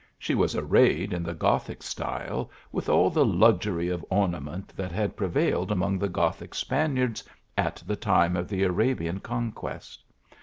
She was arrayed in the Gothic 3tyle with all the luxury of ornament that had pre vailed among the Gothic Spaniards at the time of the Arabian conquest.